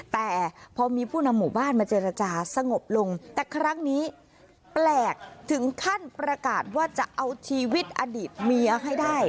แต่พอมีผู้นำหมู่บ้านมาเจรจาสงบลงแต่ครั้งนี้แปลกถึงขั้นประกาศว่าจะเอาชีวิตอดีตเมียให้ได้